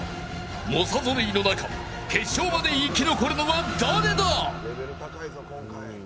猛者ぞろいの中決勝まで生き残るのは誰だ！